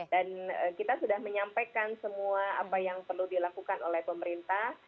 dan kita sudah menyampaikan semua apa yang perlu dilakukan oleh pemerintah